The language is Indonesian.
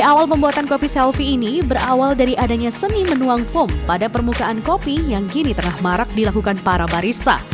awal pembuatan kopi selfie ini berawal dari adanya seni menuang foam pada permukaan kopi yang kini tengah marak dilakukan para barista